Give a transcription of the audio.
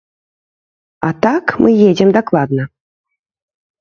А так, мы едзем дакладна.